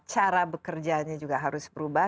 cara bekerja nya juga harus berubah